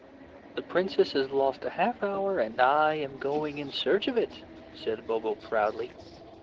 "The Princess has lost a half hour and I am going in search of it," said Bobo, proudly.